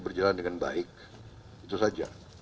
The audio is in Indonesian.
berjalan dengan baik itu saja